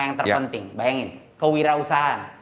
yang terpenting bayangin kewirausahaan